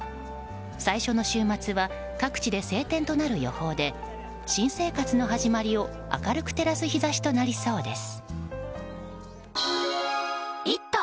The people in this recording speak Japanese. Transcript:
最初の週末は各地で晴天となる予報で新生活の始まりを明るく照らす日差しとなりそうです。